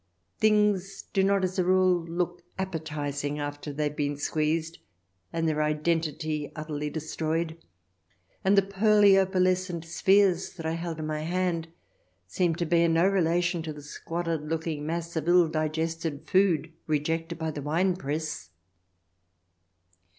Things do not as a rule look appetizing after they have been squeezed and their identity utterly destroyed, and the pearly, opalescent spheres that I held in my hand seemed to bear no relation to the squalid looking mass of ill digested food rejected by the winepress.